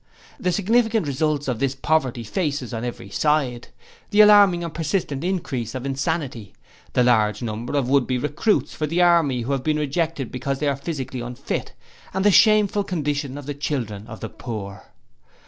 The significant results of this poverty face us on every side. The alarming and persistent increase of insanity. The large number of would be recruits for the army who have to be rejected because they are physically unfit; and the shameful condition of the children of the poor.